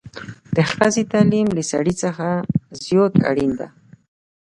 د ښځې تعليم له سړي څخه زيات اړين دی